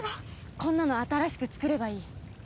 こんなの新しく作ればいい。